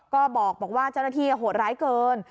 ก็บอกว่าเจ้าอาธิโหดร้ายเกิน